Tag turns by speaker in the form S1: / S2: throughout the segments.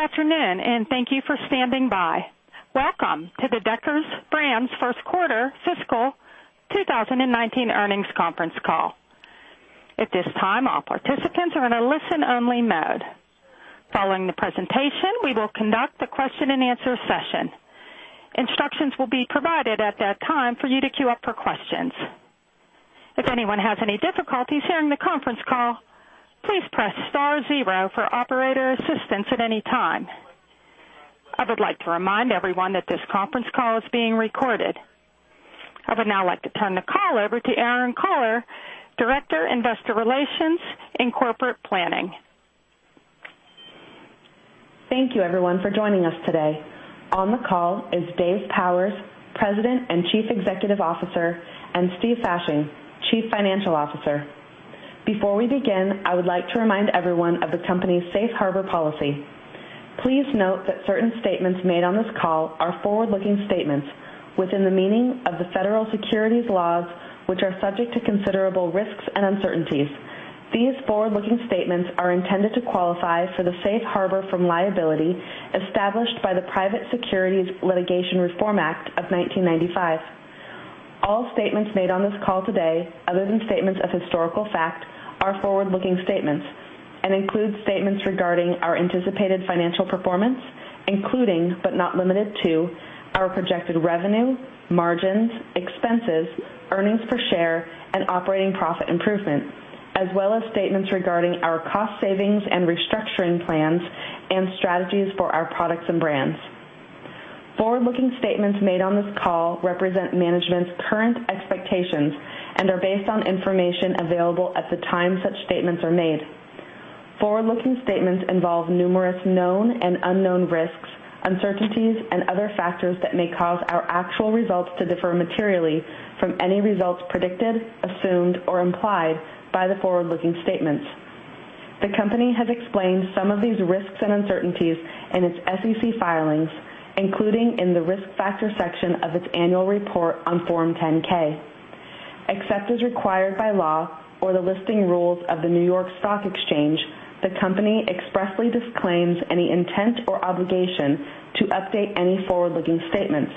S1: Good afternoon. Thank you for standing by. Welcome to the Deckers Brands' first quarter fiscal 2019 earnings conference call. At this time, all participants are in a listen-only mode. Following the presentation, we will conduct the question and answer session. Instructions will be provided at that time for you to queue up for questions. If anyone has any difficulties hearing the conference call, please press star zero for operator assistance at any time. I would like to remind everyone that this conference call is being recorded. I would now like to turn the call over to Erinn Kohler, Director, Investor Relations and Corporate Planning.
S2: Thank you, everyone, for joining us today. On the call is Dave Powers, President and Chief Executive Officer, and Steven Fasching, Chief Financial Officer. Before we begin, I would like to remind everyone of the company's safe harbor policy. Please note that certain statements made on this call are forward-looking statements within the meaning of the federal securities laws, which are subject to considerable risks and uncertainties. These forward-looking statements are intended to qualify for the safe harbor from liability established by the Private Securities Litigation Reform Act of 1995. All statements made on this call today, other than statements of historical fact, are forward-looking statements and include statements regarding our anticipated financial performance, including, but not limited to, our projected revenue, margins, expenses, earnings per share, and operating profit improvement, as well as statements regarding our cost savings and restructuring plans and strategies for our products and brands. Forward-looking statements made on this call represent management's current expectations and are based on information available at the time such statements are made. Forward-looking statements involve numerous known and unknown risks, uncertainties, and other factors that may cause our actual results to differ materially from any results predicted, assumed, or implied by the forward-looking statements. The company has explained some of these risks and uncertainties in its SEC filings, including in the risk factors section of its annual report on Form 10-K. Except as required by law or the listing rules of the New York Stock Exchange, the company expressly disclaims any intent or obligation to update any forward-looking statements.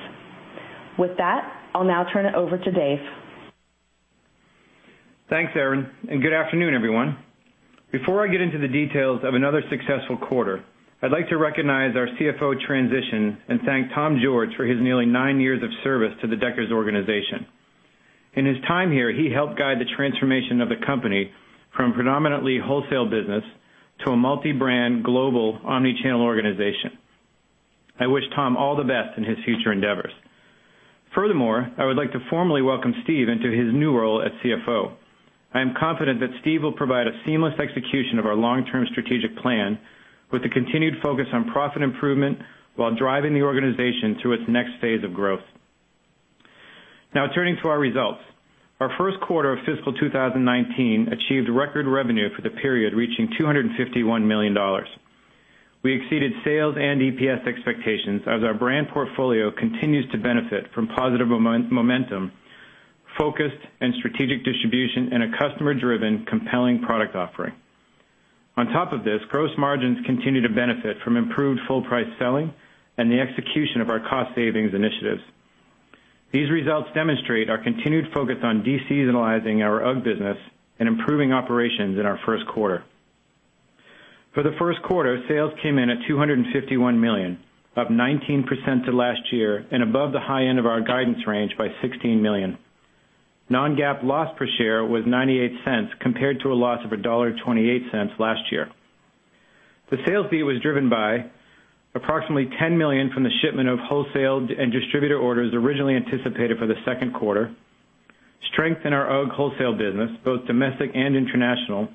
S2: With that, I'll now turn it over to Dave.
S3: Thanks, Erinn. Good afternoon, everyone. Before I get into the details of another successful quarter, I'd like to recognize our CFO transition and thank Thomas George for his nearly nine years of service to the Deckers organization. In his time here, he helped guide the transformation of the company from predominantly wholesale business to a multi-brand global omni-channel organization. I wish Tom all the best in his future endeavors. Furthermore, I would like to formally welcome Steve into his new role as CFO. I am confident that Steve will provide a seamless execution of our long-term strategic plan with a continued focus on profit improvement while driving the organization through its next phase of growth. Now, turning to our results. Our first quarter of fiscal 2019 achieved record revenue for the period, reaching $251 million. We exceeded sales and EPS expectations as our brand portfolio continues to benefit from positive momentum, focused and strategic distribution, and a customer-driven, compelling product offering. On top of this, gross margins continue to benefit from improved full price selling and the execution of our cost savings initiatives. These results demonstrate our continued focus on de-seasonalizing our UGG business and improving operations in our first quarter. For the first quarter, sales came in at $251 million, up 19% to last year and above the high end of our guidance range by $16 million. Non-GAAP loss per share was $0.98 compared to a loss of $1.28 last year. The sales beat was driven by approximately $10 million from the shipment of wholesale and distributor orders originally anticipated for the second quarter, strength in our UGG wholesale business, both domestic and international,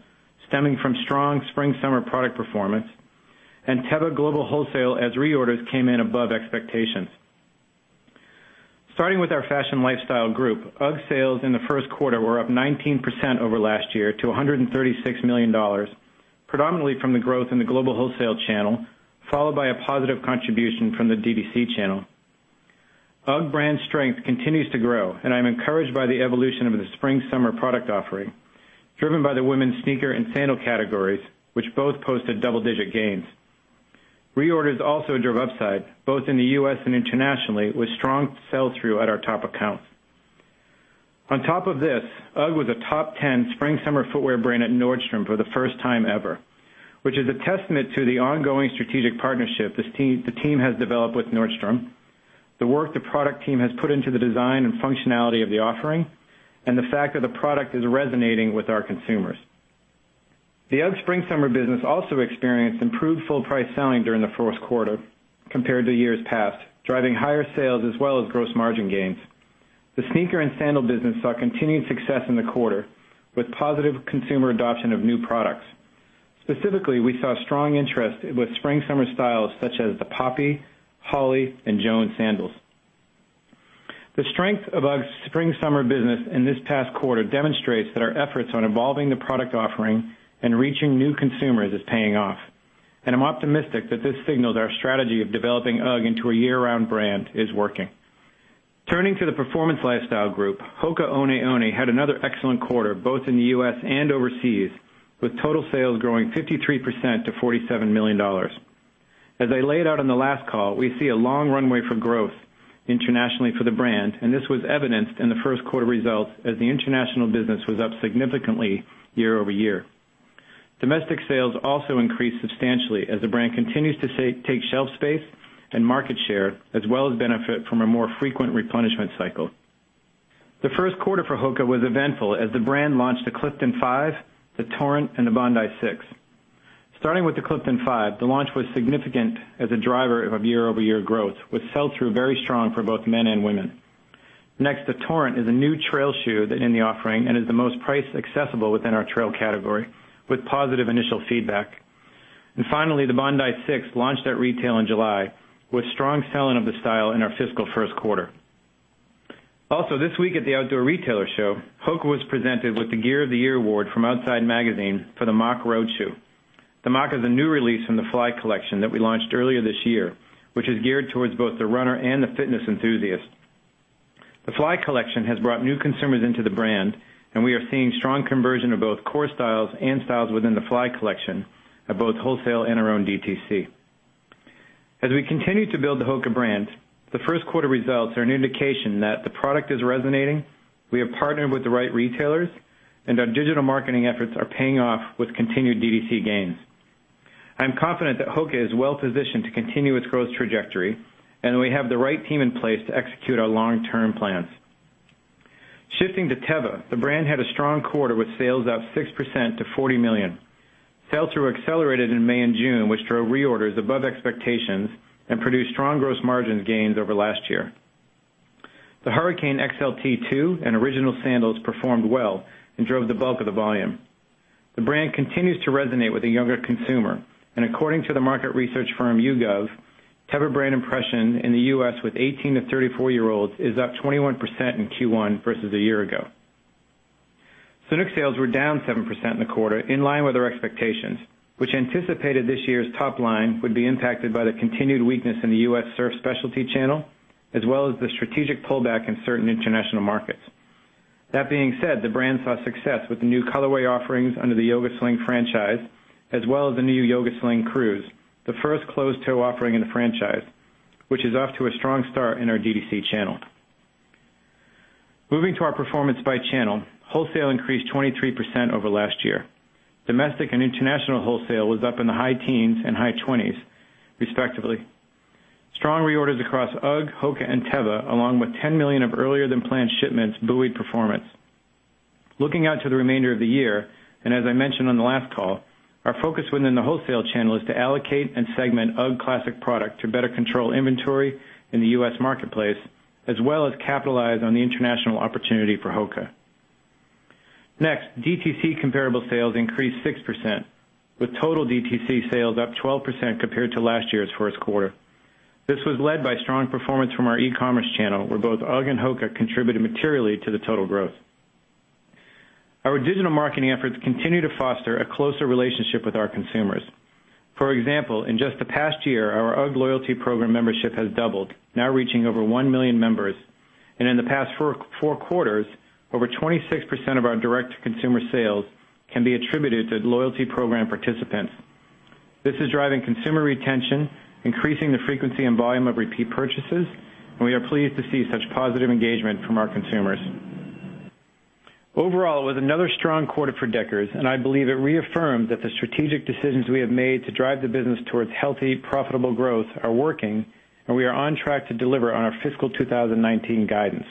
S3: stemming from strong spring/summer product performance, and Teva global wholesale as reorders came in above expectations. Starting with our Fashion Lifestyle Group, UGG sales in the first quarter were up 19% over last year to $136 million. Predominantly from the growth in the global wholesale channel, followed by a positive contribution from the DTC channel. UGG brand strength continues to grow, and I'm encouraged by the evolution of the spring/summer product offering, driven by the women's sneaker and sandal categories, which both posted double-digit gains. Reorders also drove upside, both in the U.S. and internationally, with strong sell-through at our top accounts. On top of this, UGG was a top 10 spring/summer footwear brand at Nordstrom for the first time ever, which is a testament to the ongoing strategic partnership the team has developed with Nordstrom, the work the product team has put into the design and functionality of the offering, and the fact that the product is resonating with our consumers. The UGG spring/summer business also experienced improved full price selling during the first quarter compared to years past, driving higher sales as well as gross margin gains. The sneaker and sandal business saw continued success in the quarter, with positive consumer adoption of new products. Specifically, we saw strong interest with spring/summer styles such as the Poppy, Holly, and Joni sandals. The strength of UGG's spring/summer business in this past quarter demonstrates that our efforts on evolving the product offering and reaching new consumers is paying off, and I'm optimistic that this signals our strategy of developing UGG into a year-round brand is working. Turning to the Performance Lifestyle Group, Hoka One One had another excellent quarter, both in the U.S. and overseas, with total sales growing 53% to $47 million. As I laid out on the last call, we see a long runway for growth internationally for the brand, and this was evidenced in the first quarter results as the international business was up significantly year-over-year. Domestic sales also increased substantially as the brand continues to take shelf space and market share, as well as benefit from a more frequent replenishment cycle. The first quarter for HOKA was eventful as the brand launched the Clifton 5, the Torrent, and the Bondi 6. Starting with the Clifton 5, the launch was significant as a driver of year-over-year growth, with sell-through very strong for both men and women. Next, the Torrent is a new trail shoe in the offering and is the most price accessible within our trail category, with positive initial feedback. Finally, the Bondi 6 launched at retail in July, with strong selling of the style in our fiscal first quarter. Also this week at the Outdoor Retailer show, HOKA was presented with the Gear of the Year award from "Outside" magazine for the Mach road shoe. The Mach is a new release from the Fly collection that we launched earlier this year, which is geared towards both the runner and the fitness enthusiast. The Fly collection has brought new consumers into the brand. We are seeing strong conversion of both core styles and styles within the Fly collection at both wholesale and our own DTC. As we continue to build the HOKA brand, the first quarter results are an indication that the product is resonating. We have partnered with the right retailers, and our digital marketing efforts are paying off with continued DTC gains. I'm confident that HOKA is well-positioned to continue its growth trajectory. We have the right team in place to execute our long-term plans. Shifting to Teva, the brand had a strong quarter with sales up 6% to $40 million. Sell-through accelerated in May and June, which drove reorders above expectations and produced strong gross margin gains over last year. The Hurricane XLT2 and original sandals performed well and drove the bulk of the volume. The brand continues to resonate with the younger consumer. According to the market research firm YouGov, Teva brand impression in the U.S. with 18 to 34-year-olds is up 21% in Q1 versus a year ago. Sanuk sales were down 7% in the quarter, in line with our expectations, which anticipated this year's top line would be impacted by the continued weakness in the U.S. surf specialty channel, as well as the strategic pullback in certain international markets. That being said, the brand saw success with the new colorway offerings under the Yoga Sling franchise, as well as the new Yoga Sling Cruz, the first closed-toe offering in the franchise, which is off to a strong start in our DTC channel. Moving to our performance by channel, wholesale increased 23% over last year. Domestic and international wholesale was up in the high teens and high 20s respectively. Strong reorders across UGG, HOKA, and Teva, along with $10 million of earlier-than-planned shipments buoyed performance. Looking out to the remainder of the year, as I mentioned on the last call, our focus within the wholesale channel is to allocate and segment UGG classic product to better control inventory in the U.S. marketplace, as well as capitalize on the international opportunity for HOKA. Next, DTC comparable sales increased 6%, with total DTC sales up 12% compared to last year's first quarter. This was led by strong performance from our e-commerce channel, where both UGG and HOKA contributed materially to the total growth. Our digital marketing efforts continue to foster a closer relationship with our consumers. For example, in just the past year, our UGG loyalty program membership has doubled, now reaching over 1 million members. In the past four quarters, over 26% of our direct-to-consumer sales can be attributed to loyalty program participants. This is driving consumer retention, increasing the frequency and volume of repeat purchases, and we are pleased to see such positive engagement from our consumers. Overall, it was another strong quarter for Deckers, and I believe it reaffirmed that the strategic decisions we have made to drive the business towards healthy, profitable growth are working, and we are on track to deliver on our fiscal 2019 guidance.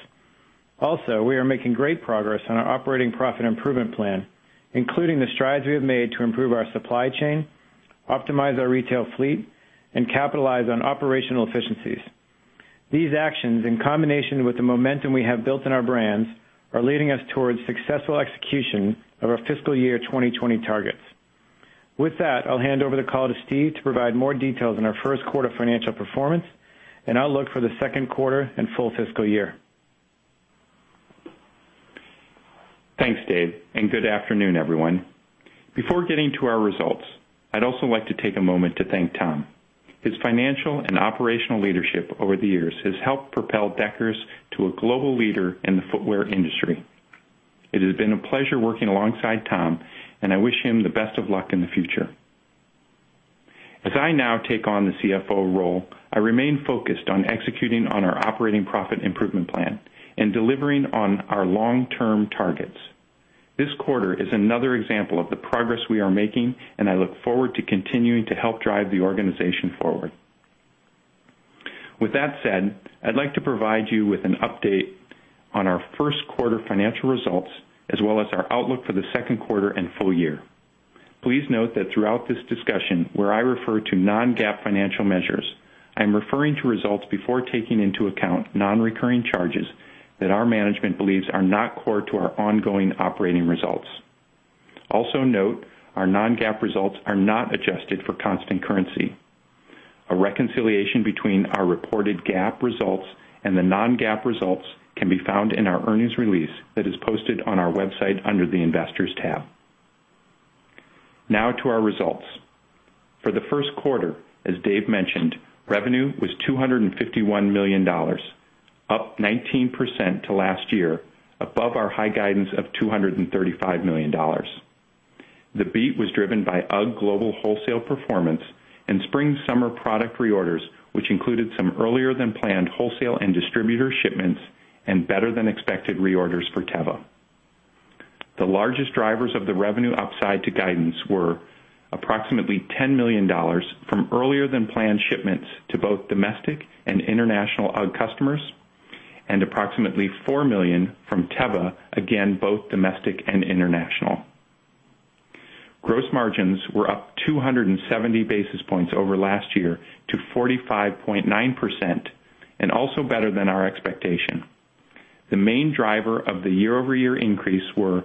S3: Also, we are making great progress on our operating profit improvement plan, including the strides we have made to improve our supply chain, optimize our retail fleet, and capitalize on operational efficiencies. These actions, in combination with the momentum we have built in our brands, are leading us towards successful execution of our fiscal year 2020 targets. With that, I'll hand over the call to Steve to provide more details on our first quarter financial performance and outlook for the second quarter and full fiscal year.
S4: Thanks, Dave. Good afternoon, everyone. Before getting to our results, I'd also like to take a moment to thank Tom. His financial and operational leadership over the years has helped propel Deckers to a global leader in the footwear industry. It has been a pleasure working alongside Tom, and I wish him the best of luck in the future. As I now take on the CFO role, I remain focused on executing on our operating profit improvement plan and delivering on our long-term targets. This quarter is another example of the progress we are making, and I look forward to continuing to help drive the organization forward. With that said, I'd like to provide you with an update on our first quarter financial results, as well as our outlook for the second quarter and full year. Please note that throughout this discussion, where I refer to non-GAAP financial measures, I'm referring to results before taking into account non-recurring charges that our management believes are not core to our ongoing operating results. Also note, our non-GAAP results are not adjusted for constant currency. A reconciliation between our reported GAAP results and the non-GAAP results can be found in our earnings release that is posted on our website under the Investors tab. Now to our results. For the first quarter, as Dave mentioned, revenue was $251 million, up 19% to last year, above our high guidance of $235 million. The beat was driven by UGG global wholesale performance and spring/summer product reorders, which included some earlier than planned wholesale and distributor shipments and better than expected reorders for Teva. The largest drivers of the revenue upside to guidance were approximately $10 million from earlier than planned shipments to both domestic and international UGG customers, and approximately $4 million from Teva, again, both domestic and international. Gross margins were up 270 basis points over last year to 45.9% and also better than our expectation. The main driver of the year-over-year increase were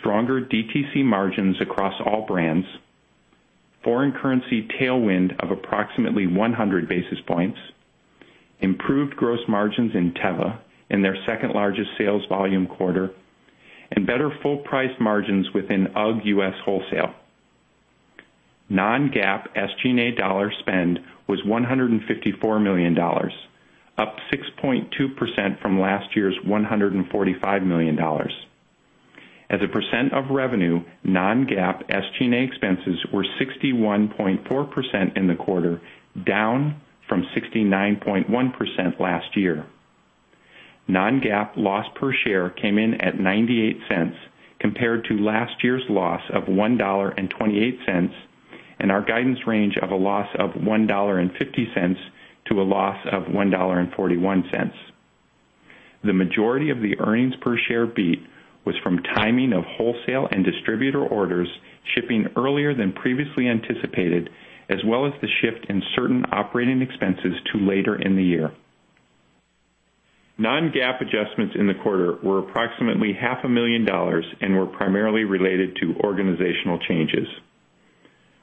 S4: stronger DTC margins across all brands, foreign currency tailwind of approximately 100 basis points, improved gross margins in Teva in their second largest sales volume quarter, and better full price margins within UGG U.S. wholesale. non-GAAP SG&A dollar spend was $154 million, up 6.2% from last year's $145 million. As a percent of revenue, non-GAAP SG&A expenses were 61.4% in the quarter, down from 69.1% last year. non-GAAP loss per share came in at $0.98 compared to last year's loss of $1.28, and our guidance range of a loss of $1.50 to a loss of $1.41. The majority of the earnings per share beat was from timing of wholesale and distributor orders shipping earlier than previously anticipated, as well as the shift in certain operating expenses to later in the year. non-GAAP adjustments in the quarter were approximately half a million dollars and were primarily related to organizational changes.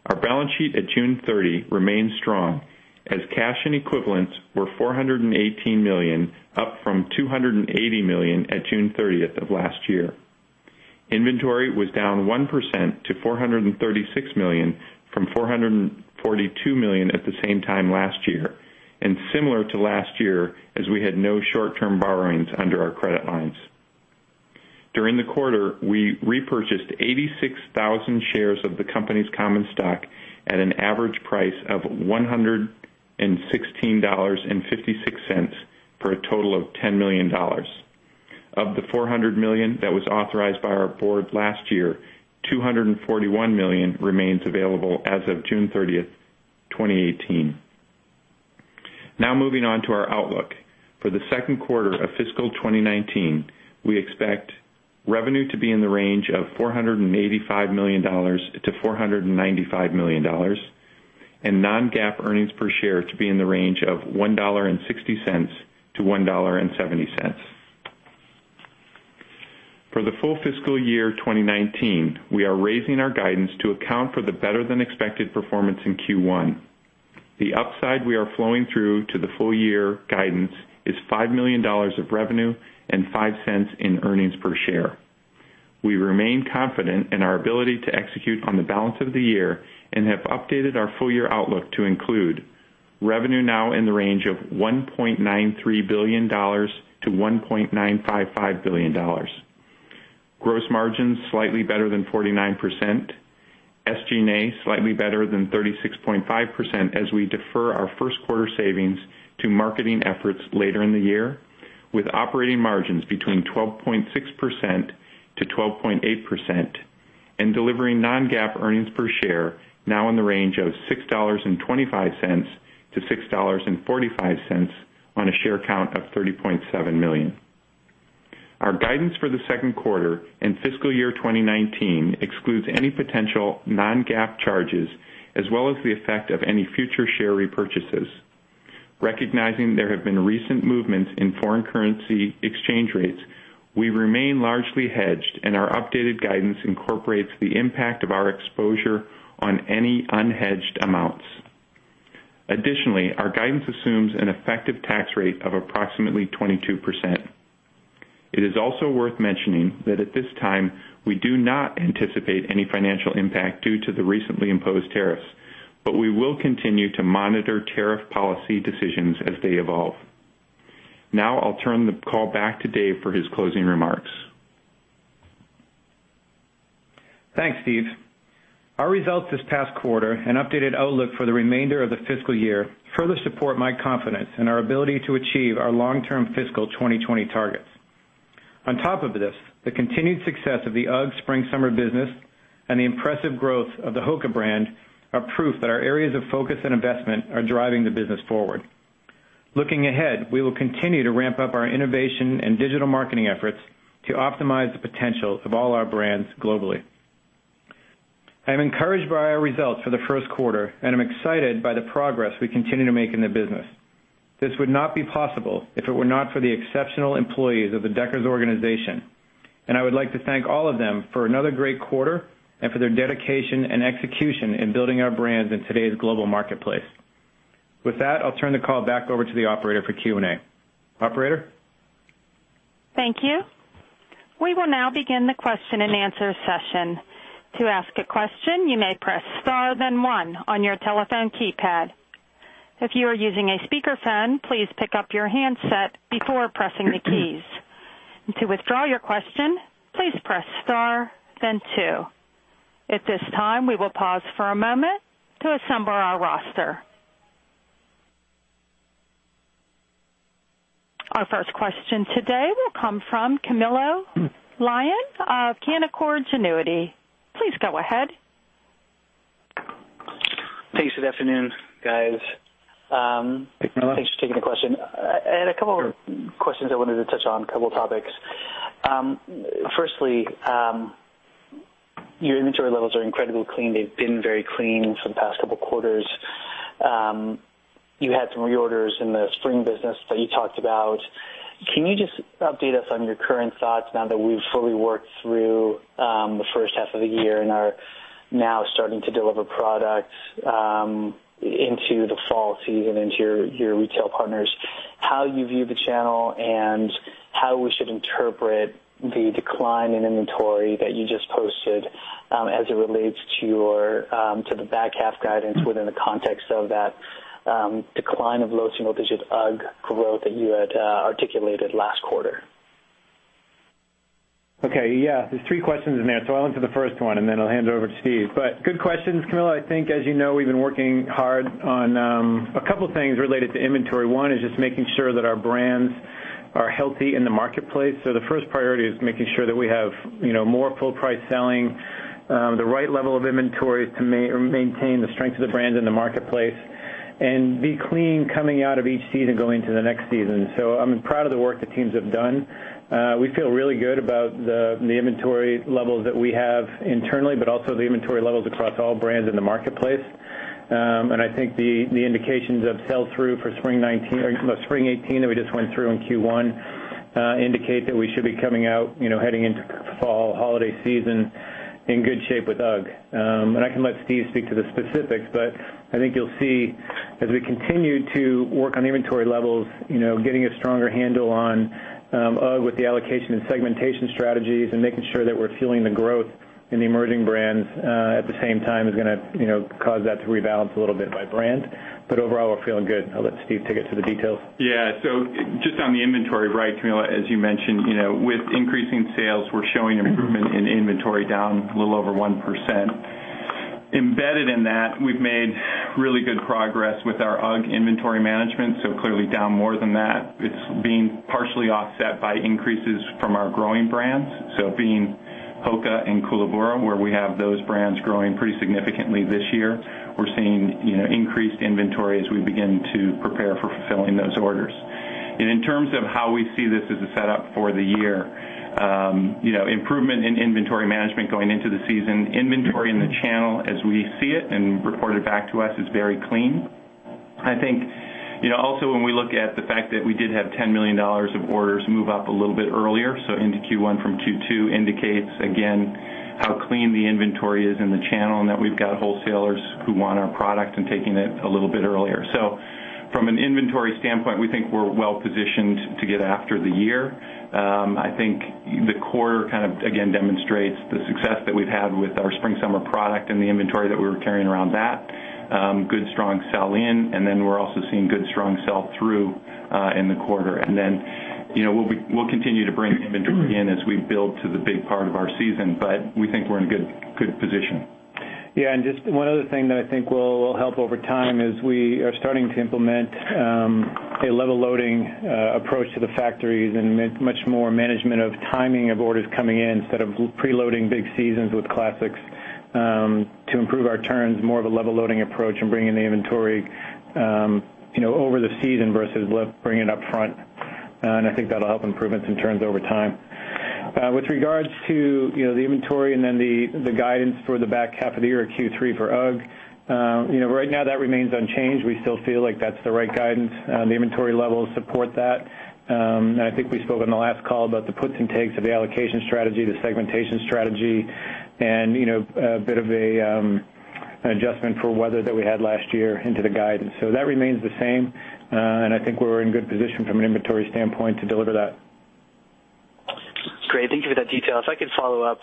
S4: Our balance sheet at June 30 remains strong as cash and equivalents were $418 million, up from $280 million at June 30 of last year. Inventory was down 1% to $436 million from $442 million at the same time last year, and similar to last year, as we had no short-term borrowings under our credit lines. During the quarter, we repurchased 86,000 shares of the company's common stock at an average price of $116.56, for a total of $10 million. Of the $400 million that was authorized by our board last year, $241 million remains available as of June 30, 2018. Moving on to our outlook. For the second quarter of fiscal 2019, we expect revenue to be in the range of $485 million-$495 million, and non-GAAP earnings per share to be in the range of $1.60-$1.70. For the full fiscal year 2019, we are raising our guidance to account for the better than expected performance in Q1. The upside we are flowing through to the full year guidance is $5 million of revenue and $0.05 in earnings per share. We remain confident in our ability to execute on the balance of the year and have updated our full year outlook to include revenue now in the range of $1.93 billion-$1.955 billion. Gross margins slightly better than 49%, SG&A slightly better than 36.5% as we defer our first quarter savings to marketing efforts later in the year, with operating margins between 12.6%-12.8%, and delivering non-GAAP earnings per share now in the range of $6.25-$6.45 on a share count of 30.7 million. Our guidance for the second quarter and fiscal year 2019 excludes any potential non-GAAP charges as well as the effect of any future share repurchases. Recognizing there have been recent movements in foreign currency exchange rates, we remain largely hedged, and our updated guidance incorporates the impact of our exposure on any unhedged amounts. Additionally, our guidance assumes an effective tax rate of approximately 22%. It is also worth mentioning that at this time, we do not anticipate any financial impact due to the recently imposed tariffs. We will continue to monitor tariff policy decisions as they evolve. Now I'll turn the call back to Dave for his closing remarks.
S3: Thanks, Steve. Our results this past quarter and updated outlook for the remainder of the fiscal year further support my confidence in our ability to achieve our long-term fiscal 2020 targets. On top of this, the continued success of the UGG spring/summer business and the impressive growth of the HOKA brand are proof that our areas of focus and investment are driving the business forward. Looking ahead, we will continue to ramp up our innovation and digital marketing efforts to optimize the potential of all our brands globally. I am encouraged by our results for the first quarter. I'm excited by the progress we continue to make in the business. This would not be possible if it were not for the exceptional employees of the Deckers organization. I would like to thank all of them for another great quarter and for their dedication and execution in building our brands in today's global marketplace. With that, I'll turn the call back over to the operator for Q&A. Operator?
S1: Thank you. We will now begin the question and answer session. To ask a question, you may press star then one on your telephone keypad. If you are using a speakerphone, please pick up your handset before pressing the keys. To withdraw your question, please press star then two. At this time, we will pause for a moment to assemble our roster. Our first question today will come from Camilo Lyon of Canaccord Genuity. Please go ahead.
S5: Thanks. Good afternoon, guys.
S3: Hey, Camilo.
S5: Thanks for taking the question. I had a couple of questions I wanted to touch on, a couple of topics. Firstly, your inventory levels are incredibly clean. They've been very clean for the past couple of quarters. You had some reorders in the spring business that you talked about. Can you just update us on your current thoughts now that we've fully worked through the first half of the year and are now starting to deliver products into the fall season, into your retail partners, how you view the channel, and how we should interpret the decline in inventory that you just posted as it relates to the back half guidance within the context of that decline of low single-digit UGG growth that you had articulated last quarter?
S3: Okay. Yeah. There's three questions in there, so I'll answer the first one, and then I'll hand it over to Steve, but good questions, Camilo. I think, as you know, we've been working hard on a couple of things related to inventory. One is just making sure that our brands are healthy in the marketplace. The first priority is making sure that we have more full price selling, the right level of inventory to maintain the strength of the brand in the marketplace and be clean coming out of each season going into the next season. I'm proud of the work the teams have done. We feel really good about the inventory levels that we have internally, but also the inventory levels across all brands in the marketplace. I think the indications of sell-through for spring 2018 that we just went through in Q1 indicate that we should be coming out, heading into fall holiday season in good shape with UGG. I can let Steve speak to the specifics, but I think you'll see as we continue to work on inventory levels, getting a stronger handle on UGG with the allocation and segmentation strategies and making sure that we're fueling the growth in the emerging brands at the same time is going to cause that to rebalance a little bit by brand. Overall, we're feeling good. I'll let Steve take it to the details.
S4: Just on the inventory, right, Camilo, as you mentioned, with increasing sales, we're showing improvement in inventory down a little over 1%. Embedded in that, we've made really good progress with our UGG inventory management, so clearly down more than that. It's being partially offset by increases from our growing brands. Being HOKA and Koolaburra, where we have those brands growing pretty significantly this year, we're seeing increased inventory as we begin to prepare for fulfilling those orders. In terms of how we see this as a setup for the year, improvement in inventory management going into the season, inventory in the channel as we see it and reported back to us is very clean. I think also when we look at the fact that we did have $10 million of orders move up a little bit earlier, into Q1 from Q2 indicates, again, how clean the inventory is in the channel and that we've got wholesalers who want our product and taking it a little bit earlier. From an inventory standpoint, we think we're well-positioned to get after the year. I think the quarter kind of, again, demonstrates the success that we've had with our spring/summer product and the inventory that we were carrying around that. Good, strong sell in, we're also seeing good, strong sell through in the quarter. We'll continue to bring inventory in as we build to the big part of our season, but we think we're in a good position.
S3: Just one other thing that I think will help over time is we are starting to implement a level loading approach to the factories and much more management of timing of orders coming in instead of preloading big seasons with classics to improve our turns, more of a level loading approach and bringing the inventory over the season versus bringing it up front. I think that'll help improvements in turns over time. With regards to the inventory and then the guidance for the back half of the year or Q3 for UGG, right now that remains unchanged. We still feel like that's the right guidance. The inventory levels support that. I think we spoke on the last call about the puts and takes of the allocation strategy, the segmentation strategy, and a bit of an adjustment for weather that we had last year into the guidance. That remains the same, and I think we're in good position from an inventory standpoint to deliver that.
S5: Great. Thank you for that detail. If I could follow up.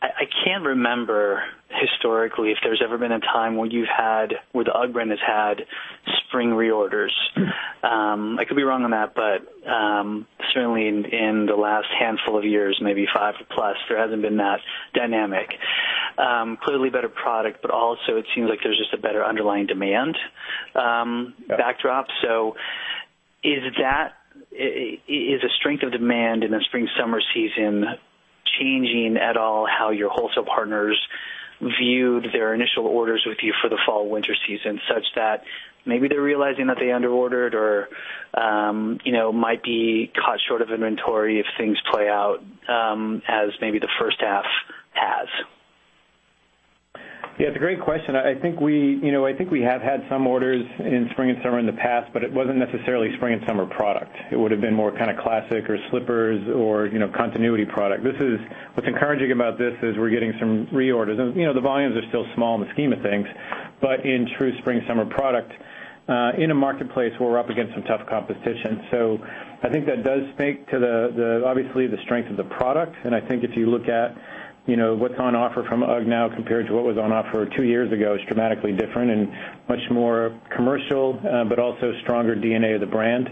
S5: I can't remember historically if there's ever been a time where the UGG brand has had spring reorders. I could be wrong on that, but certainly in the last handful of years, maybe five plus, there hasn't been that dynamic. Clearly a better product, but also it seems like there's just a better underlying demand backdrop. Is the strength of demand in the spring/summer season changing at all how your wholesale partners viewed their initial orders with you for the fall/winter season such that maybe they're realizing that they underordered or might be caught short of inventory if things play out as maybe the first half has?
S3: Yeah, it's a great question. I think we have had some orders in spring and summer in the past, but it wasn't necessarily spring and summer product. It would have been more kind of classic or slippers or continuity product. What's encouraging about this is we're getting some reorders, and the volumes are still small in the scheme of things. In true spring, summer product, in a marketplace where we're up against some tough competition. I think that does speak to the, obviously, the strength of the product. I think if you look at what's on offer from UGG now compared to what was on offer two years ago, it's dramatically different and much more commercial, but also stronger DNA of the brand.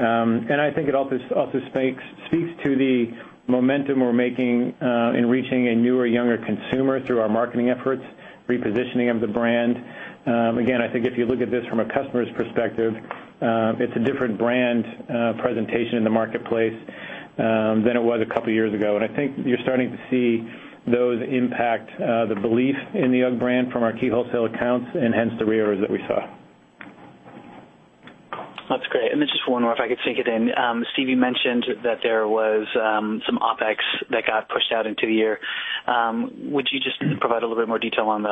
S3: I think it also speaks to the momentum we're making in reaching a newer, younger consumer through our marketing efforts, repositioning of the brand. Again, I think if you look at this from a customer's perspective, it's a different brand presentation in the marketplace than it was a couple of years ago. I think you're starting to see those impact the belief in the UGG brand from our key wholesale accounts, and hence, the reorders that we saw.
S5: That's great. Then just one more if I could sneak it in. Steve, you mentioned that there was some OpEx that got pushed out into the year. Would you just provide a little bit more detail on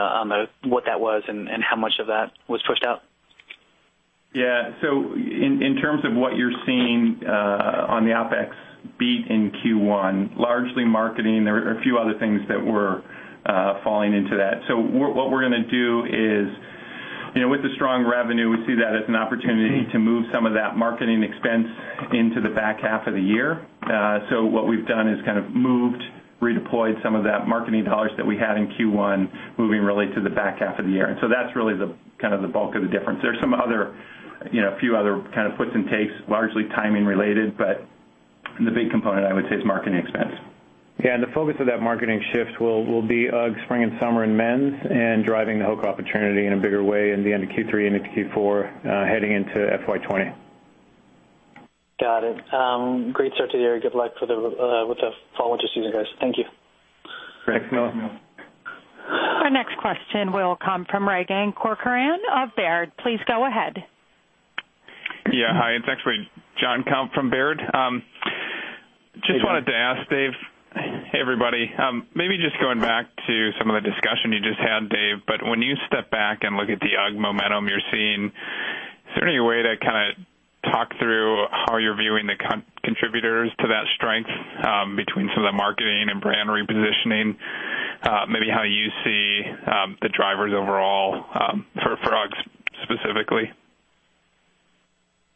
S5: what that was and how much of that was pushed out?
S4: Yeah. In terms of what you're seeing on the OpEx beat in Q1, largely marketing. There are a few other things that were falling into that. What we're going to do is, with the strong revenue, we see that as an opportunity to move some of that marketing expense into the back half of the year. What we've done is kind of moved, redeployed some of that marketing dollars that we had in Q1, moving really to the back half of the year. That's really kind of the bulk of the difference. There's a few other kind of puts and takes, largely timing related, but the big component I would say is marketing expense.
S3: Yeah, the focus of that marketing shift will be UGG spring and summer and men's and driving the HOKA opportunity in a bigger way in the end of Q3 into Q4, heading into FY 2020.
S5: Got it. Great start to the year. Good luck with the fall winter season, guys. Thank you.
S3: Great. Thanks, Neil. Thanks, Neil.
S1: Our next question will come from Ryan Corcoran of Baird. Please go ahead.
S6: Hi. It's actually Jonathan Komp from Baird. Just wanted to ask Dave. Hey, everybody. Maybe just going back to some of the discussion you just had, Dave, when you step back and look at the UGG momentum you're seeing, is there any way to kind of talk through how you're viewing the contributors to that strength between some of the marketing and brand repositioning? Maybe how you see the drivers overall for UGG specifically?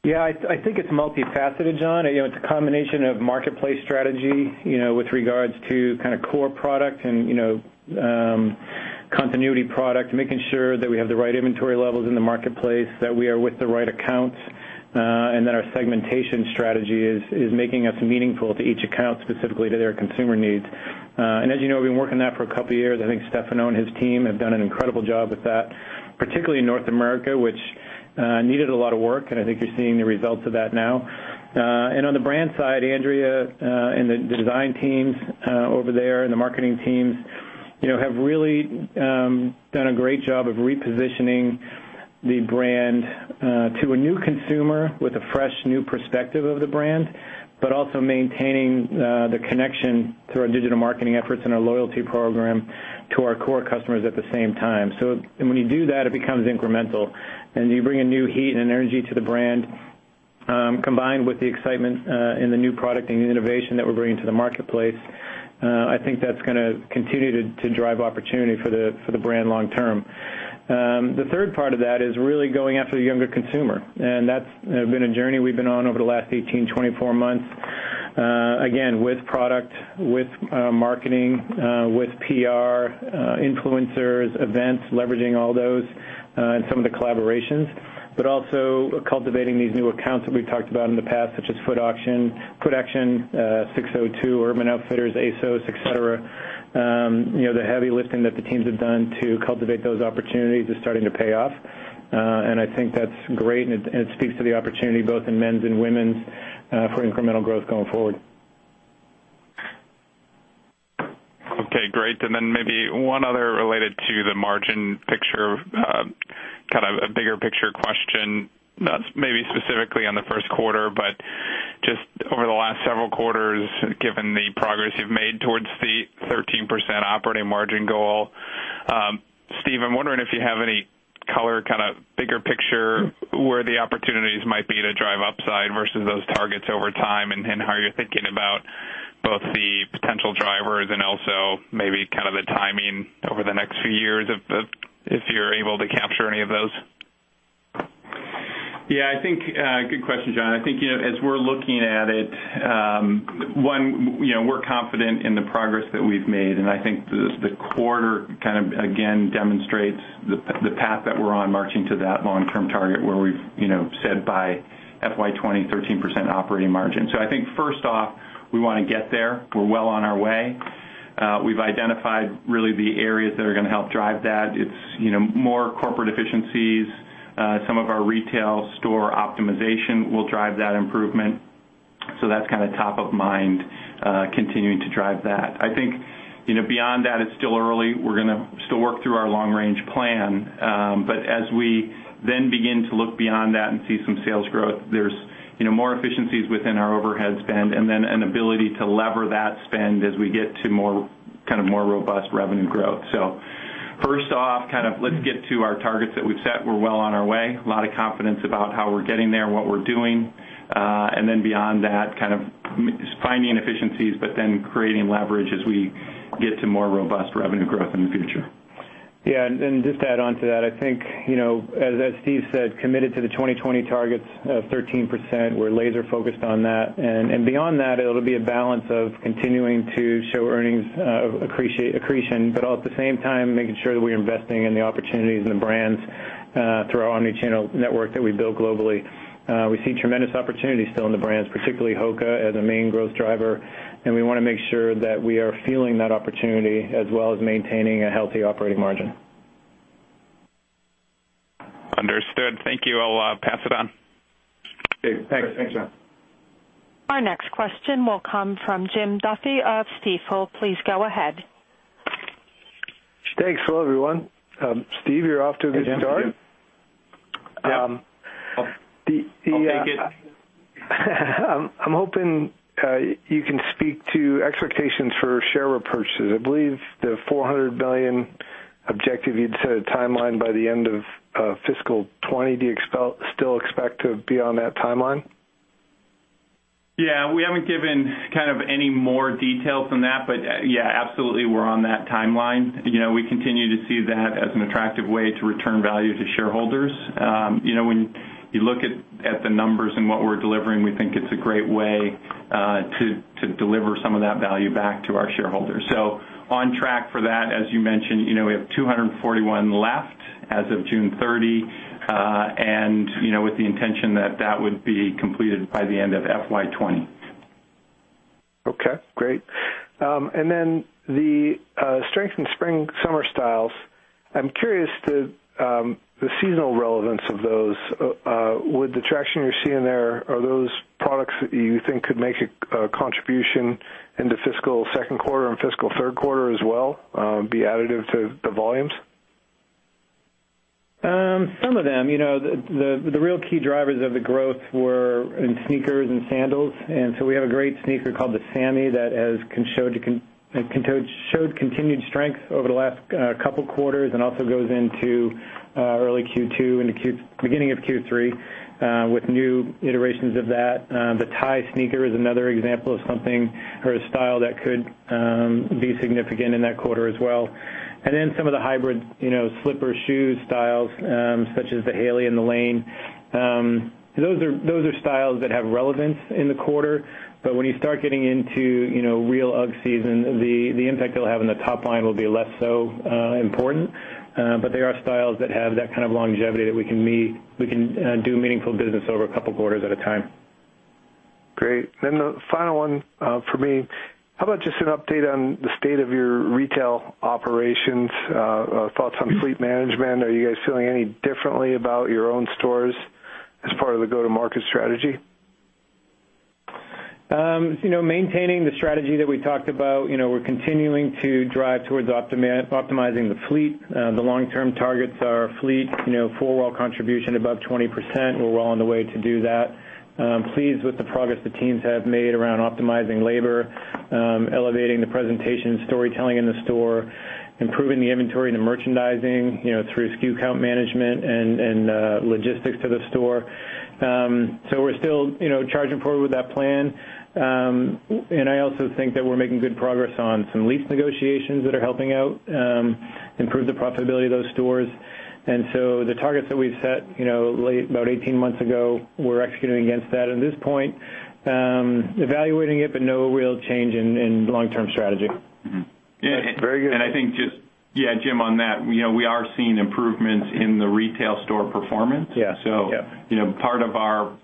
S3: I think it's multifaceted, John. It's a combination of marketplace strategy with regards to kind of core product and continuity product, making sure that we have the right inventory levels in the marketplace, that we are with the right accounts, and that our segmentation strategy is making us meaningful to each account, specifically to their consumer needs. As you know, we've been working on that for a couple of years. I think Stefano and his team have done an incredible job with that, particularly in North America, which needed a lot of work, I think you're seeing the results of that now. On the brand side, Andrea and the design teams over there and the marketing teams have really done a great job of repositioning the brand to a new consumer with a fresh new perspective of the brand, but also maintaining the connection through our digital marketing efforts and our loyalty program to our core customers at the same time. When you do that, it becomes incremental, and you bring a new heat and energy to the brand, combined with the excitement in the new product and new innovation that we're bringing to the marketplace. I think that's going to continue to drive opportunity for the brand long term. The third part of that is really going after the younger consumer, and that's been a journey we've been on over the last 18, 24 months. Again, with product, with marketing, with PR, influencers, events, leveraging all those, and some of the collaborations, but also cultivating these new accounts that we've talked about in the past, such as Footaction, SIX:02, Urban Outfitters, ASOS, et cetera. The heavy lifting that the teams have done to cultivate those opportunities is starting to pay off. I think that's great, and it speaks to the opportunity both in men's and women's for incremental growth going forward.
S6: Okay, great. Maybe one other related to the margin picture, kind of a bigger picture question, not maybe specifically on the first quarter, but just over the last several quarters, given the progress you've made towards the 13% operating margin goal. Steve, I'm wondering if you have any color, kind of bigger picture, where the opportunities might be to drive upside versus those targets over time and how you're thinking about both the potential drivers and also maybe kind of the timing over the next few years if you're able to capture any of those.
S3: Yeah. Good question, John. I think as we're looking at it, one, we're confident in the progress that we've made, and I think the quarter kind of again demonstrates the path that we're on, marching to that long-term target where we've said by FY 2020, 13% operating margin. I think first off, we want to get there. We're well on our way. We've identified really the areas that are going to help drive that. It's more corporate efficiencies. Some of our retail store optimization will drive that improvement. That's kind of top of mind continuing to drive that. I think beyond that, it's still early. We're going to still work through our long-range plan. As we then begin to look beyond that and see some sales growth, there's more efficiencies within our overhead spend and then an ability to lever that spend as we get to more robust revenue growth. First off, let's get to our target.
S4: We've said we're well on our way. A lot of confidence about how we're getting there, what we're doing. Beyond that, finding efficiencies, but then creating leverage as we get to more robust revenue growth in the future.
S3: Just to add on to that, I think, as Steve said, committed to the 2020 targets of 13%, we're laser focused on that. Beyond that, it'll be a balance of continuing to show earnings accretion, but at the same time, making sure that we're investing in the opportunities and the brands through our omni-channel network that we build globally. We see tremendous opportunities still in the brands, particularly HOKA as a main growth driver, and we want to make sure that we are fueling that opportunity, as well as maintaining a healthy operating margin.
S6: Understood. Thank you. I'll pass it on.
S4: Okay, thanks. Thanks, John.
S1: Our next question will come from Jim Duffy of Stifel. Please go ahead.
S7: Thanks. Hello, everyone. Steve, you're off to a good start.
S4: Hey, Jim. Yep. I'll take it.
S7: I'm hoping you can speak to expectations for share repurchases. I believe the $400 million objective, you'd set a timeline by the end of fiscal 2020. Do you still expect to be on that timeline?
S4: Yeah. We haven't given any more detail than that, absolutely, we're on that timeline. We continue to see that as an attractive way to return value to shareholders. When you look at the numbers and what we're delivering, we think it's a great way to deliver some of that value back to our shareholders. On track for that. As you mentioned, we have $241 left as of June 30, and with the intention that that would be completed by the end of FY 2020.
S7: Okay, great. The strength in spring-summer styles, I'm curious to the seasonal relevance of those. With the traction you're seeing there, are those products that you think could make a contribution in the fiscal second quarter and fiscal third quarter as well, be additive to the volumes?
S3: Some of them. The real key drivers of the growth were in sneakers and sandals, we have a great sneaker called the Sammy that has showed continued strength over the last couple quarters, also goes into early Q2 into beginning of Q3 with new iterations of that. The Tye sneaker is another example of something, or a style that could be significant in that quarter as well. Some of the hybrid slipper shoe styles, such as the Hailey and the Lane. Those are styles that have relevance in the quarter. When you start getting into real UGG season, the impact it'll have on the top line will be less so important. They are styles that have that kind of longevity that we can do meaningful business over a couple quarters at a time.
S7: Great. The final one from me. How about just an update on the state of your retail operations, thoughts on fleet management? Are you guys feeling any differently about your own stores as part of the go-to-market strategy?
S3: Maintaining the strategy that we talked about. We're continuing to drive towards optimizing the fleet. The long-term targets are fleet, full well contribution above 20%. We're well on the way to do that. Pleased with the progress the teams have made around optimizing labor, elevating the presentation and storytelling in the store, improving the inventory and the merchandising through SKU count management and logistics to the store. We're still charging forward with that plan. I also think that we're making good progress on some lease negotiations that are helping out improve the profitability of those stores. The targets that we've set about 18 months ago, we're executing against that. At this point, evaluating it, but no real change in long-term strategy.
S7: Very good.
S4: I think Jim, on that, we are seeing improvements in the retail store performance.
S3: Yeah.
S4: Part of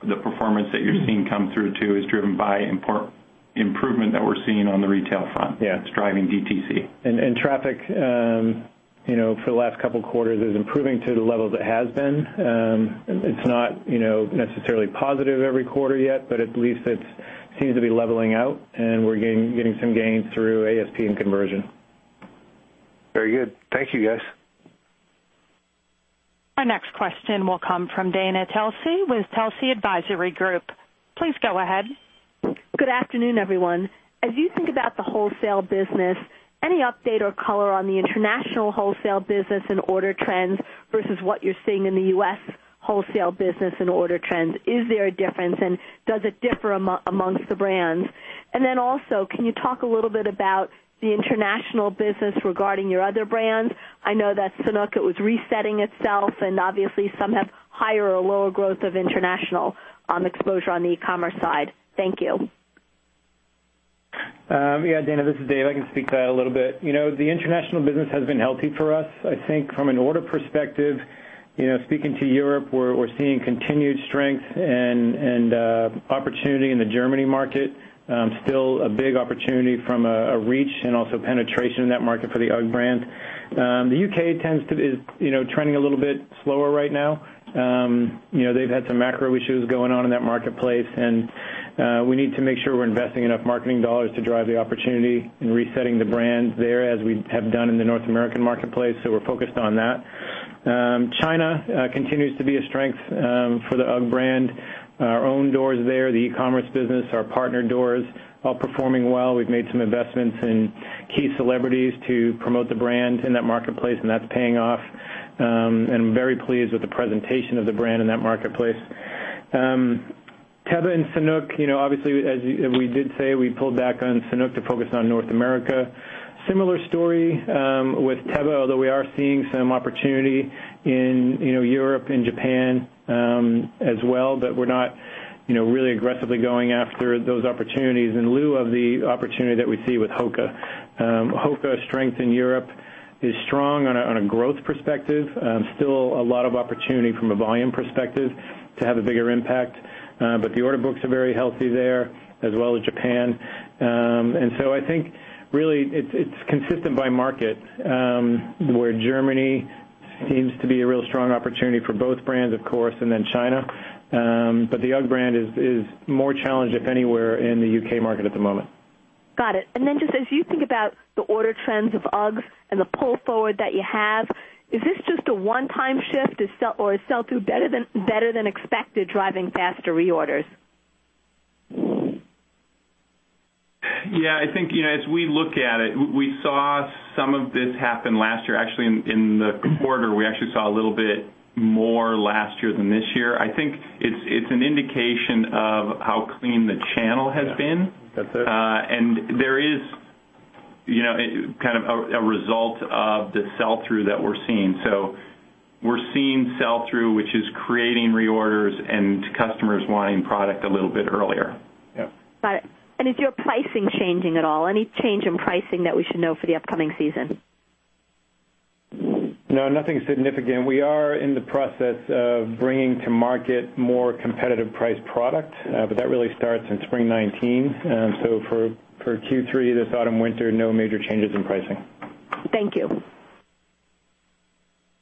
S4: the performance that you're seeing come through too is driven by improvement that we're seeing on the retail front.
S3: Yeah.
S4: It's driving DTC.
S3: Traffic, for the last couple quarters is improving to the levels it has been. It's not necessarily positive every quarter yet, but at least it seems to be leveling out, and we're getting some gains through ASP and conversion.
S7: Very good. Thank you, guys.
S1: Our next question will come from Dana Telsey with Telsey Advisory Group. Please go ahead.
S8: Good afternoon, everyone. As you think about the wholesale business, any update or color on the international wholesale business and order trends versus what you're seeing in the U.S. wholesale business and order trends? Is there a difference, and does it differ amongst the brands? Then also, can you talk a little bit about the international business regarding your other brands? I know that Sanuk, it was resetting itself and obviously some have higher or lower growth of international exposure on the e-commerce side. Thank you.
S3: Yeah, Dana, this is Dave. I can speak to that a little bit. The international business has been healthy for us. I think from an order perspective, speaking to Europe, we're seeing continued strength and opportunity in the Germany market. Still a big opportunity from a reach and also penetration in that market for the UGG brand. The U.K. is trending a little bit slower right now. They've had some macro issues going on in that marketplace, and we need to make sure we're investing enough marketing dollars to drive the opportunity in resetting the brand there as we have done in the North American marketplace. We're focused on that. China continues to be a strength for the UGG brand. Our own doors there, the e-commerce business, our partner doors, all performing well. We've made some investments in key celebrities to promote the brand in that marketplace, that's paying off. I'm very pleased with the presentation of the brand in that marketplace. Teva and Sanuk, obviously, as we did say, we pulled back on Sanuk to focus on North America. Similar story with Teva, although we are seeing some opportunity in Europe and Japan as well, but we're not really aggressively going after those opportunities in lieu of the opportunity that we see with HOKA. HOKA strength in Europe is strong on a growth perspective. Still a lot of opportunity from a volume perspective to have a bigger impact. The order books are very healthy there as well as Japan. I think really it's consistent by market, where Germany seems to be a real strong opportunity for both brands, of course, and then China. The UGG brand is more challenged, if anywhere, in the U.K. market at the moment.
S8: Got it. Just as you think about the order trends of UGGs and the pull forward that you have, is this just a one-time shift? Or is sell-through better than expected, driving faster reorders?
S3: I think, as we look at it, we saw some of this happen last year. Actually, in the quarter, we actually saw a little bit more last year than this year. I think it's an indication of how clean the channel has been. Yeah. That's it. There is kind of a result of the sell-through that we're seeing. We're seeing sell-through, which is creating reorders and customers wanting product a little bit earlier. Yeah.
S8: Got it. Is your pricing changing at all? Any change in pricing that we should know for the upcoming season?
S3: No, nothing significant. We are in the process of bringing to market more competitive priced product, but that really starts in spring 2019. For Q3, this autumn, winter, no major changes in pricing.
S8: Thank you.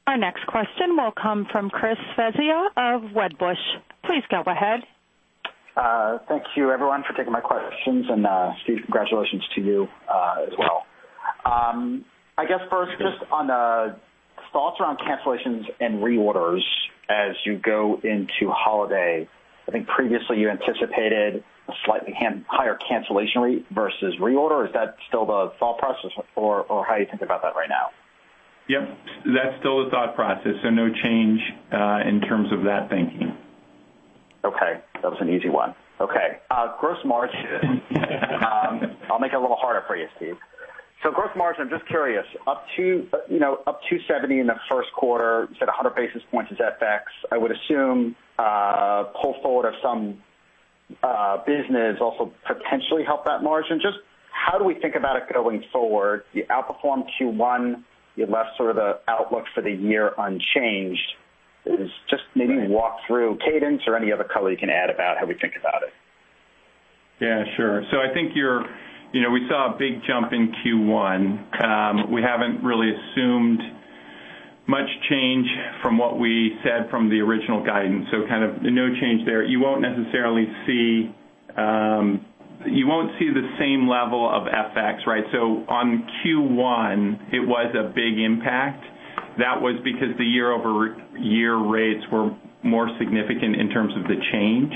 S1: Our next question will come from Chris Svezia of Wedbush. Please go ahead.
S9: Thank you everyone for taking my questions, and Steve, congratulations to you as well. I guess first, just on thoughts around cancellations and reorders as you go into holiday. I think previously you anticipated a slightly higher cancellation rate versus reorder. Is that still the thought process or how are you thinking about that right now?
S3: Yep, that's still the thought process. No change in terms of that thinking.
S9: Okay. That was an easy one. Okay. Gross margin. I'll make it a little harder for you, Steve. Gross margin, I'm just curious. Up 270 in the first quarter, you said 100 basis points is FX. I would assume pull forward of some business also potentially helped that margin. Just how do we think about it going forward? You outperformed Q1. You left sort of the outlook for the year unchanged. Just maybe walk through cadence or any other color you can add about how we think about it.
S4: Yeah, sure. I think we saw a big jump in Q1. We haven't really assumed much change from what we said from the original guidance. Kind of no change there. You won't see the same level of FX, right? On Q1, it was a big impact. That was because the year-over-year rates were more significant in terms of the change.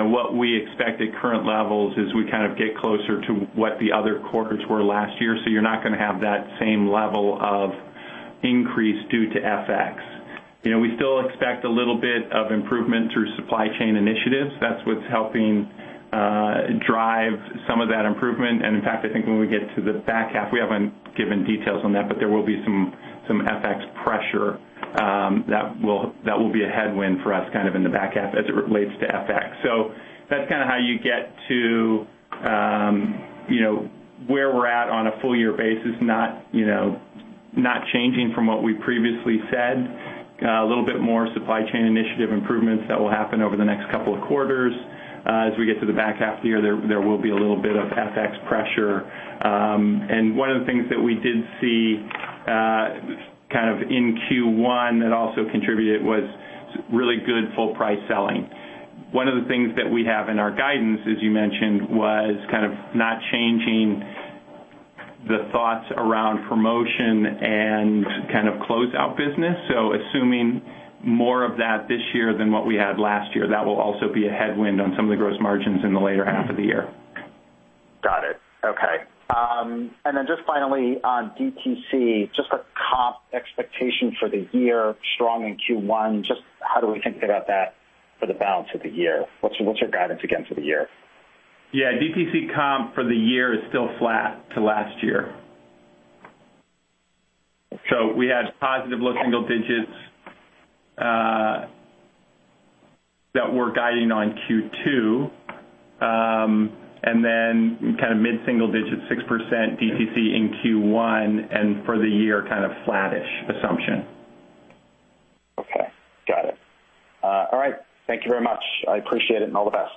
S4: What we expect at current levels is we kind of get closer to what the other quarters were last year. You're not going to have that same level of increase due to FX. We still expect a little bit of improvement through supply chain initiatives. That's what's helping drive some of that improvement. In fact, I think when we get to the back half, we haven't given details on that, but there will be some FX pressure that will be a headwind for us kind of in the back half as it relates to FX. That's kind of how you get to where we're at on a full year basis, not changing from what we previously said. A little bit more supply chain initiative improvements that will happen over the next couple of quarters. As we get to the back half of the year, there will be a little bit of FX pressure. One of the things that we did see kind of in Q1 that also contributed was really good full price selling. One of the things that we have in our guidance, as you mentioned, was kind of not changing the thoughts around promotion and kind of closeout business. Assuming more of that this year than what we had last year. That will also be a headwind on some of the gross margins in the later half of the year.
S9: Got it. Okay. Just finally on DTC, just a comp expectation for the year, strong in Q1. Just how do we think about that for the balance of the year? What's your guidance again for the year?
S4: Yeah. DTC comp for the year is still flat to last year. We had positive low single digits that we're guiding on Q2. Kind of mid-single digit 6% DTC in Q1 and for the year, kind of flattish assumption.
S9: Okay. Got it. All right. Thank you very much. I appreciate it and all the best.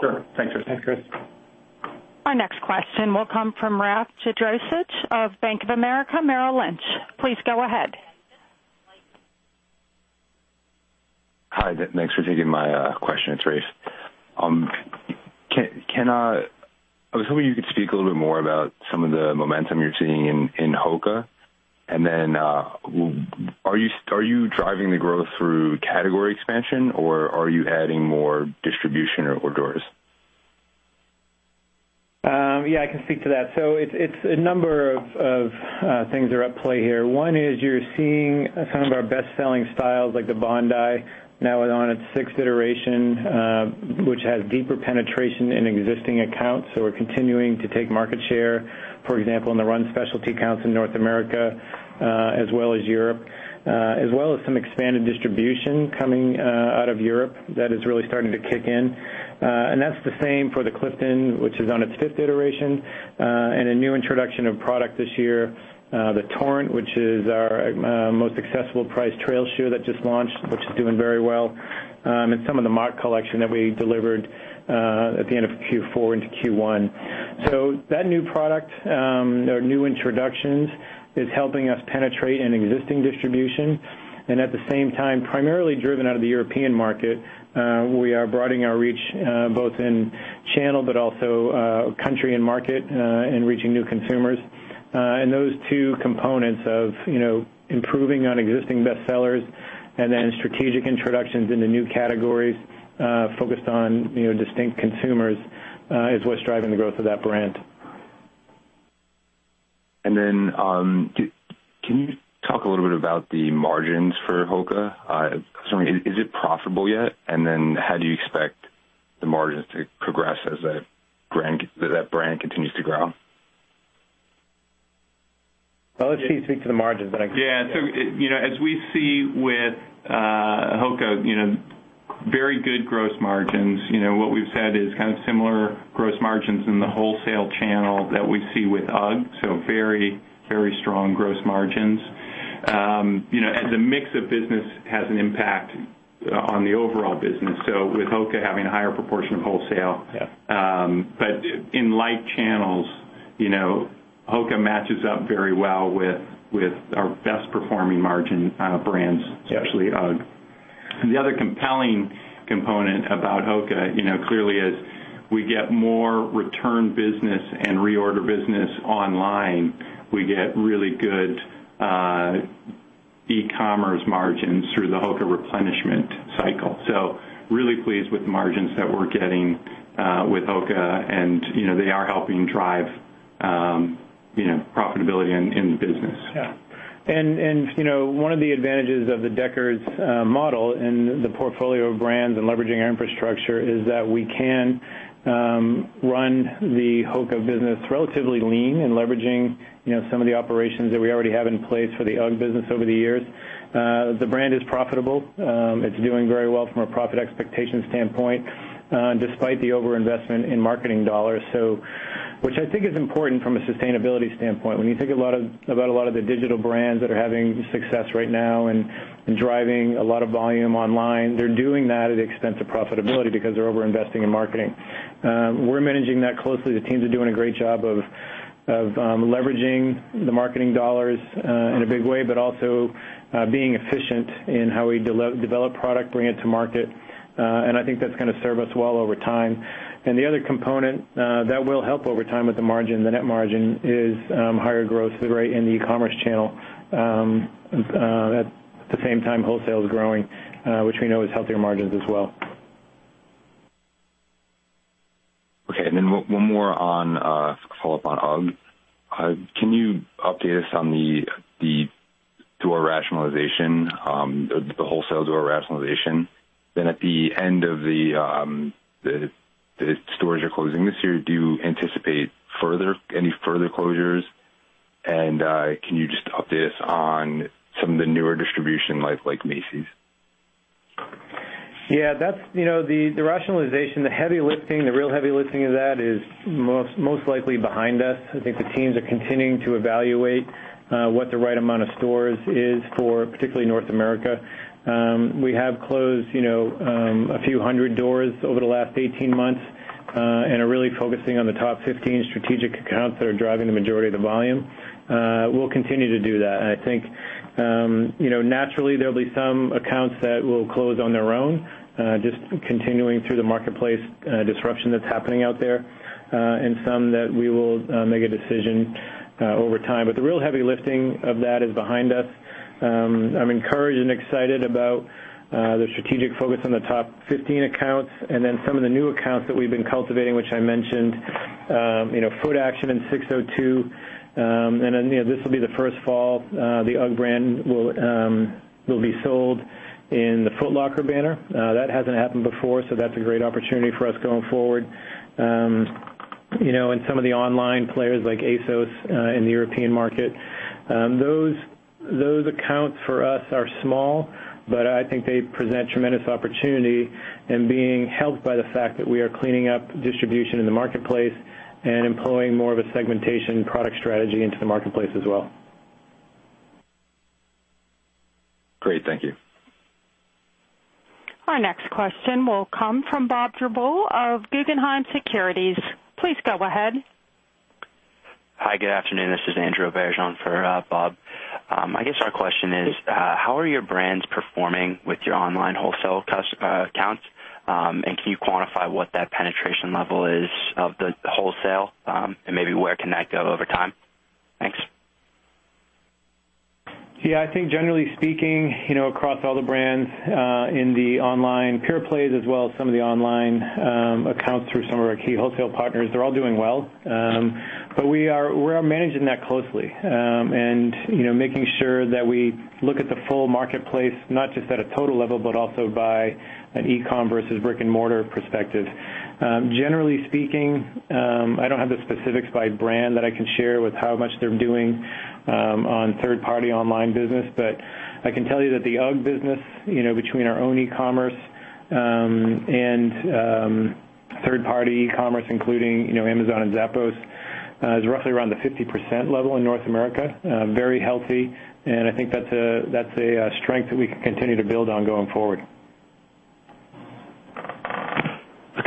S3: Sure. Thanks, Chris. Thanks, Chris.
S1: Our next question will come from Rafe Jadrosich of Bank of America Merrill Lynch. Please go ahead.
S10: Hi, thanks for taking my question. It's Raf. I was hoping you could speak a little bit more about some of the momentum you're seeing in HOKA. Are you driving the growth through category expansion, or are you adding more distribution or doors?
S3: Yeah, I can speak to that. A number of things are at play here. One is you're seeing some of our best-selling styles, like the Bondi, now on its sixth iteration, which has deeper penetration in existing accounts. We're continuing to take market share, for example, in the run specialty accounts in North America, as well as Europe, as well as some expanded distribution coming out of Europe. That is really starting to kick in. That's the same for the Clifton, which is on its fifth iteration, and a new introduction of product this year, the Torrent, which is our most accessible price trail shoe that just launched, which is doing very well, and some of the Mach collection that we delivered at the end of Q4 into Q1. That new product, or new introductions, is helping us penetrate an existing distribution. At the same time, primarily driven out of the European market, we are broadening our reach both in channel, but also country and market in reaching new consumers. Those two components of improving on existing bestsellers and then strategic introductions into new categories focused on distinct consumers is what's driving the growth of that brand.
S10: Can you talk a little bit about the margins for HOKA? Is it profitable yet? How do you expect the margins to progress as that brand continues to grow?
S3: I'll let Steve speak to the margins.
S4: Yeah. As we see with HOKA, very good gross margins. What we've said is kind of similar gross margins in the wholesale channel that we see with UGG, so very strong gross margins. The mix of business has an impact on the overall business, so with HOKA having a higher proportion of wholesale.
S10: Yeah.
S4: In light channels, HOKA matches up very well with our best performing margin brands.
S10: Yeah
S4: Especially UGG. The other compelling component about HOKA, clearly as we get more return business and reorder business online, we get really good e-commerce margins through the HOKA replenishment cycle. Really pleased with the margins that we're getting with HOKA, and they are helping drive profitability in the business.
S3: Yeah. One of the advantages of the Deckers model and the portfolio of brands and leveraging our infrastructure is that we can run the HOKA business relatively lean in leveraging some of the operations that we already have in place for the UGG business over the years. The brand is profitable. It's doing very well from a profit expectation standpoint, despite the overinvestment in marketing dollars, which I think is important from a sustainability standpoint. When you think about a lot of the digital brands that are having success right now and driving a lot of volume online, they're doing that at the expense of profitability because they're over-investing in marketing. We're managing that closely. The teams are doing a great job of leveraging the marketing dollars in a big way, but also being efficient in how we develop product, bring it to market. I think that's going to serve us well over time. The other component that will help over time with the margin, the net margin, is higher growth rate in the e-commerce channel. At the same time, wholesale is growing, which we know is healthier margins as well.
S10: Okay. Then one more on a follow-up on UGG. Can you update us on the door rationalization, the wholesale door rationalization? At the end of the stores you're closing this year, do you anticipate any further closures? Can you just update us on some of the newer distribution, like Macy's?
S3: Yeah. The rationalization, the heavy lifting, the real heavy lifting of that is most likely behind us. I think the teams are continuing to evaluate what the right amount of stores is for particularly North America. We have closed a few hundred doors over the last 18 months and are really focusing on the top 15 strategic accounts that are driving the majority of the volume. We'll continue to do that. I think naturally, there'll be some accounts that will close on their own, just continuing through the marketplace disruption that's happening out there, and some that we will make a decision over time. The real heavy lifting of that is behind us. I'm encouraged and excited about the strategic focus on the top 15 accounts then some of the new accounts that we've been cultivating, which I mentioned. Footaction and SIX:02. Then this will be the first fall the UGG brand will be sold in the Foot Locker banner. That hasn't happened before, so that's a great opportunity for us going forward. Some of the online players like ASOS in the European market. Those accounts for us are small, I think they present tremendous opportunity and being helped by the fact that we are cleaning up distribution in the marketplace and employing more of a segmentation product strategy into the marketplace as well.
S10: Great. Thank you.
S1: Our next question will come from Bob Drbul of Guggenheim Securities. Please go ahead.
S11: Hi. Good afternoon. This is Andrew O'Conor for Bob. I guess our question is, how are your brands performing with your online wholesale accounts? Can you quantify what that penetration level is of the wholesale, and maybe where can that go over time? Thanks.
S3: Yeah, I think generally speaking, across all the brands, in the online pure plays, as well as some of the online accounts through some of our key wholesale partners, they're all doing well. We are managing that closely, and making sure that we look at the full marketplace, not just at a total level, but also by an e-commerce versus brick and mortar perspective. Generally speaking, I don't have the specifics by brand that I can share with how much they're doing on third-party online business. I can tell you that the UGG business, between our own e-commerce, and third-party commerce, including Amazon and Zappos, is roughly around the 50% level in North America. Very healthy, and I think that's a strength that we can continue to build on going forward.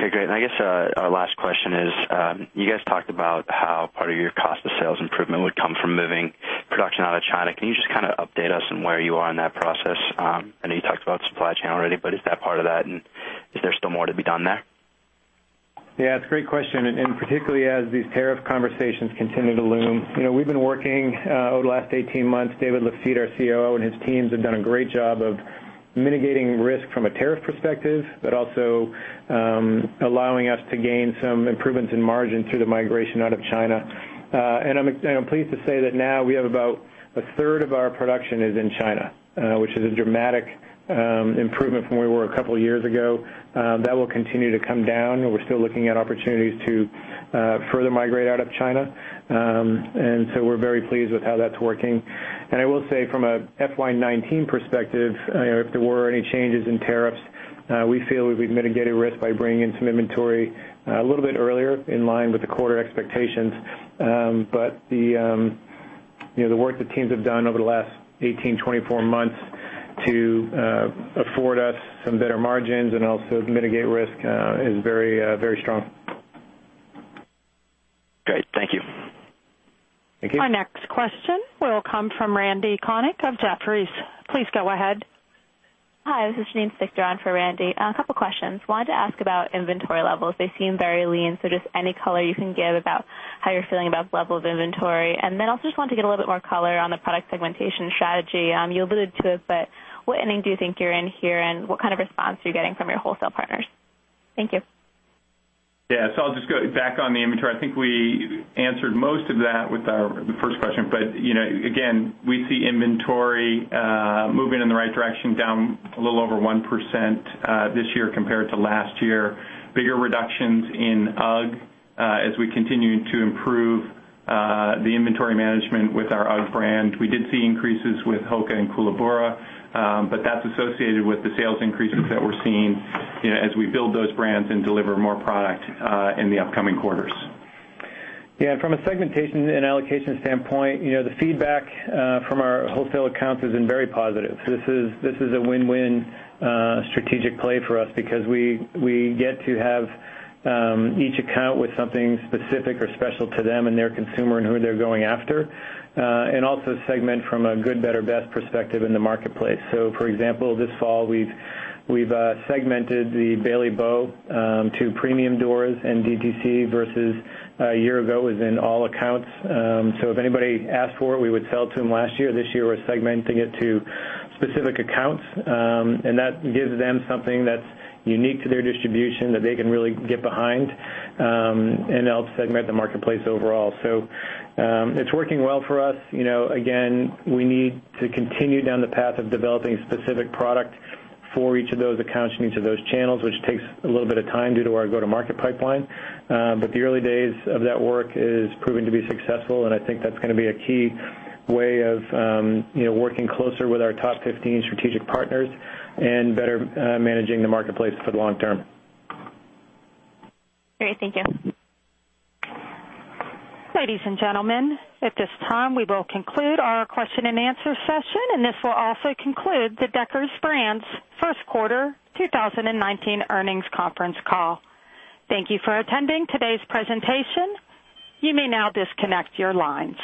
S11: Okay, great. I guess our last question is, you guys talked about how part of your cost of sales improvement would come from moving production out of China. Can you just update us on where you are in that process? I know you talked about supply chain already, but is that part of that, and is there still more to be done there?
S3: It's a great question. Particularly as these tariff conversations continue to loom. We've been working over the last 18 months, Dave Powers, our COO, and his teams have done a great job of mitigating risk from a tariff perspective, but also allowing us to gain some improvements in margin through the migration out of China. I'm pleased to say that now we have about a third of our production is in China, which is a dramatic improvement from where we were a couple of years ago. That will continue to come down, and we're still looking at opportunities to further migrate out of China. We're very pleased with how that's working. I will say from a FY 2019 perspective, if there were any changes in tariffs, we feel we've mitigated risk by bringing in some inventory a little bit earlier in line with the quarter expectations. The work the teams have done over the last 18, 24 months to afford us some better margins and also mitigate risk is very strong.
S11: Great. Thank you.
S3: Thank you.
S1: Our next question will come from Randal Konik of Jefferies. Please go ahead.
S12: Hi, this is Janine Stichter for Randy. A couple questions. Wanted to ask about inventory levels. They seem very lean, just any color you can give about how you're feeling about the level of inventory. Also just wanted to get a little bit more color on the product segmentation strategy. You alluded to it, but what inning do you think you're in here, and what kind of response are you getting from your wholesale partners? Thank you.
S4: Yeah. I'll just go back on the inventory. I think we answered most of that with the first question. Again, we see inventory moving in the right direction, down a little over 1% this year compared to last year. Bigger reductions in UGG, as we continue to improve the inventory management with our UGG brand. We did see increases with HOKA and Koolaburra, but that's associated with the sales increases that we're seeing as we build those brands and deliver more product in the upcoming quarters.
S3: Yeah, from a segmentation and allocation standpoint, the feedback from our wholesale accounts has been very positive. This is a win-win strategic play for us because we get to have each account with something specific or special to them and their consumer and who they're going after. Also segment from a good, better, best perspective in the marketplace. For example, this fall, we've segmented the Bailey Bow to premium doors and DTC versus a year ago was in all accounts. If anybody asked for it, we would sell it to them last year. This year, we're segmenting it to specific accounts, that gives them something that's unique to their distribution that they can really get behind, helps segment the marketplace overall. It's working well for us. Again, we need to continue down the path of developing specific product for each of those accounts in each of those channels, which takes a little bit of time due to our go-to-market pipeline. The early days of that work is proving to be successful, and I think that's going to be a key way of working closer with our top 15 strategic partners and better managing the marketplace for the long term.
S12: Great. Thank you.
S1: Ladies and gentlemen, at this time, we will conclude our question and answer session, and this will also conclude the Deckers Brands first quarter 2019 earnings conference call. Thank you for attending today's presentation. You may now disconnect your lines.